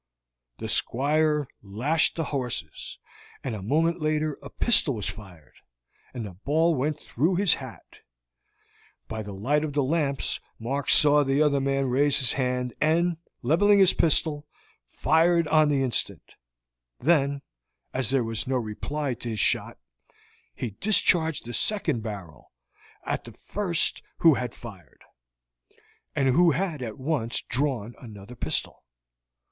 The Squire lashed the horses, and a moment later a pistol was fired, and the ball went through his hat. By the light of the lamps Mark saw the other man raise his hand, and, leveling his pistol, fired on the instant; then, as there was no reply to his shot, he discharged the second barrel at the first who had fired, and who had at once drawn another pistol.